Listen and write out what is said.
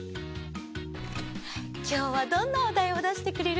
きょうはどんなおだいをだしてくれるかな？